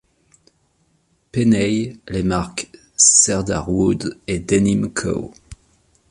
Penney, les marques Cerdarwood et Denim Co.